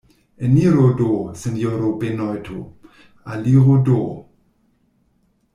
Eniru do, sinjoro Benojto, aliru do.